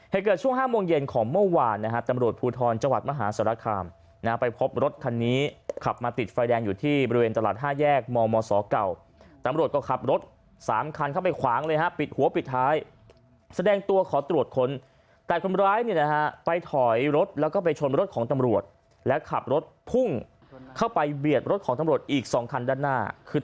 เหตุเกิดช่วง๕โมงเย็นของเมื่อวานนะฮะตำรวจภูทรจังหวัดมหาสารคามนะฮะไปพบรถคันนี้ขับมาติดไฟแดงอยู่ที่บริเวณตลาด๕แยกมมศเก่าตำรวจก็ขับรถสามคันเข้าไปขวางเลยฮะปิดหัวปิดท้ายแสดงตัวขอตรวจค้นแต่คนร้ายเนี่ยนะฮะไปถอยรถแล้วก็ไปชนรถของตำรวจและขับรถพุ่งเข้าไปเบียดรถของตำรวจอีก๒คันด้านหน้าคือ